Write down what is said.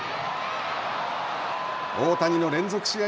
大谷の連続試合